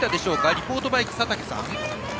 リポートバイク、佐竹さん。